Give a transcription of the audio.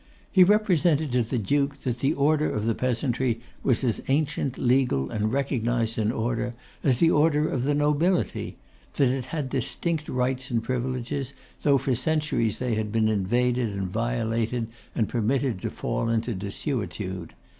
He represented to the Duke that the order of the peasantry was as ancient, legal, and recognised an order as the order of the nobility; that it had distinct rights and privileges, though for centuries they had been invaded and violated, and permitted to fall into desuetude.